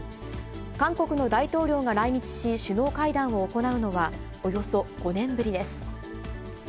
韓国の大統領が来日し、首脳会談を行うのはおよそ５年ぶりです。